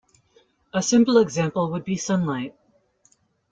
A simple example would be sunlight.